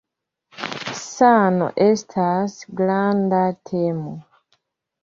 Sano estas granda temo.